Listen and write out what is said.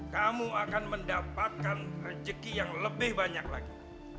kamu akan mendapatkan rejeki yang lebih banyak lagi